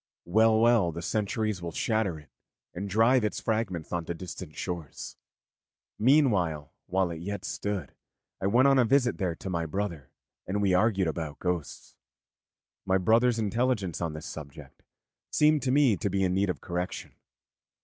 Well, well, the centuries will shatter it and drive its fragments on to distant shores. Meanwhile, while it yet stood, I went on a visit there to my brother, and we argued about ghosts. My brother's intelligence on this subject seemed to me to be in need of correction.